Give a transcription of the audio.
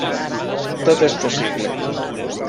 Tot és possible.